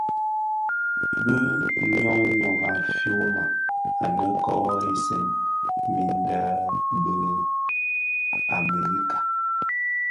Bi ñyon yon a fyoma anèn Kō dhesèè min lè be amerikana,